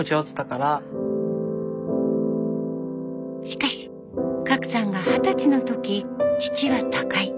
しかし革さんが二十歳の時父は他界。